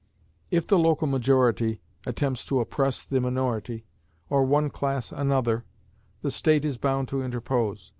If the local majority attempts to oppress the minority, or one class another, the state is bound to interpose.